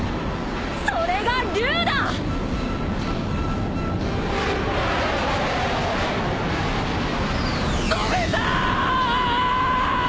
それが龍だ！飛べた！！